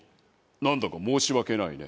なんだか申し訳ないね。